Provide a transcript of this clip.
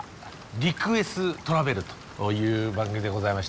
「リクエストラベル」という番組でございまして。